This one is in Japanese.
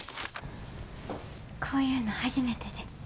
こういうの初めてで。